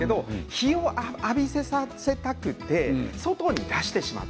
日を浴びせさせたくて外に出してしまう。